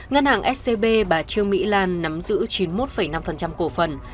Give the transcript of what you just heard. ngân hàng scb bà trương mỹ lan nắm giữ chín mươi một năm cổ phần